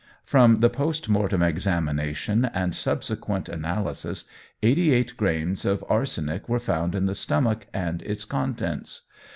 From the post mortem examination and subsequent analysis eighty eight grains of arsenic were found in the stomach and its contents.